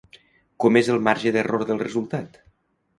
Com és el marge d'error del resultat?